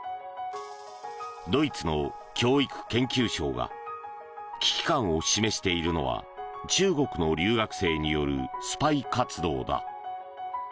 ドイツの教育・研究相が危機感を示しているのは中国の留学生によるスパイ活動だ。